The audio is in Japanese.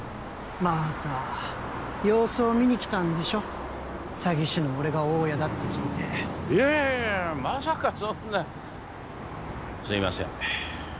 また様子を見に来たんでしょ詐欺師の俺が大家だって聞いていやいやいやまさかそんなすいません